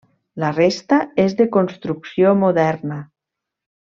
La resta és de construcció moderna.